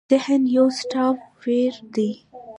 ذهن يو سافټ وئېر دے